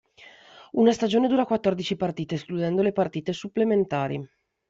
Una stagione dura quattordici partite escludendo le partite supplementari.